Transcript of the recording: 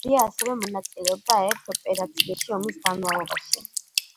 ჯაძია ასევე მონაწილეობდა არაერთ ოპერაციაში ომის განმავლობაში.